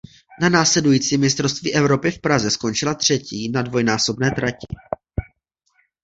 Na následujícím mistrovství Evropy v Praze skončila třetí na dvojnásobné trati.